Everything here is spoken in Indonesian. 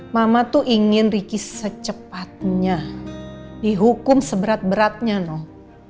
mama tuh ingin riki secepatnya dihukum seberat beratnya noh